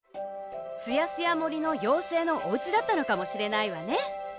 すやすやもりのようせいのおうちだったのかもしれないわね！